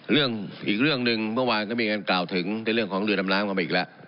เรื่องอีกเรื่องหนึ่งเมื่อวานก็มีการกล่าวถึงในเรื่องของเรือดำน้ำกันไปอีกแล้ว